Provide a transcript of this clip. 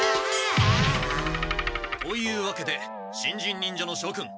というわけで新人忍者のしょくん！